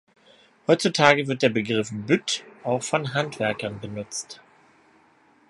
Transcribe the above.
Heutzutage wird der Begriff "Bütt" auch von Handwerkern benutzt.